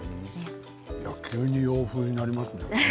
急に洋風になりますね。